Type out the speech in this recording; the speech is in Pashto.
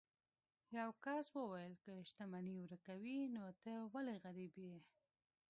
یو کس وویل که شتمني ورکوي نو ته ولې غریب یې.